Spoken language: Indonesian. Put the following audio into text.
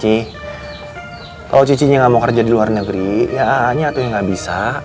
cici kalau cicinya gak mau kerja di luar negeri ya aanya atuh yang gak bisa